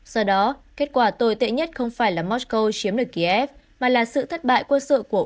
do đó kết quả tồi tệ nhất không phải là mosco chiếm được kiev mà là sự thất bại quân sự của